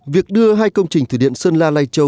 việc đưa hai công trình thủy điện sơn la lai châu